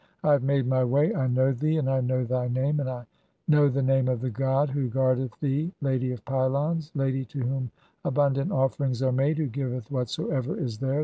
I have made [my] way. I know thee, and I know "thy name, and I know the name of the god (10) who guardeth "thee. 'Lady of pylons, lady to whom abundant offerings are "made, who giveth whatsoever is there